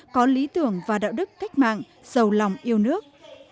có lý tưởng và đạo đức cách mạng giàu lòng yêu nước